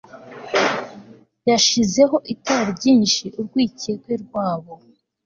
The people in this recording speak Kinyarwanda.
Yashizeho itara ryinshi urwikekwe rwabo